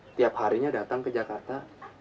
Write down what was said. setiap harinya datang ke jakarta